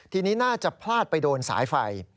ทีนี้น่าจะพลาดไปโดนสายไฟ